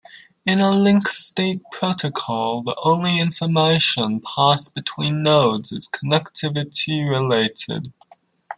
In a link-state protocol the only information passed between nodes is "connectivity related".